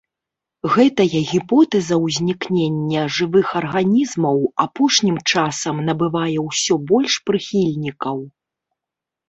Гэтая гіпотэза ўзнікнення жывых арганізмаў апошнім часам набывае ўсё больш прыхільнікаў.